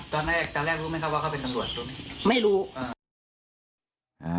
ตอนแรกรู้ไหมครับว่าเขาเป็นตำรวจตรงนี้